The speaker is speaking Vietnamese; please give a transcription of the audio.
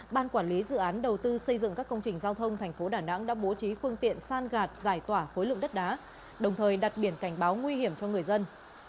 ban quản lý dự án đầu tư xây dựng các công trình giao thông thành phố đà nẵng đã bố trí phương tiện san gạt giải tỏa khối lượng đất đá đồng thời đặt biển cảnh báo nguy hiểm cho người dân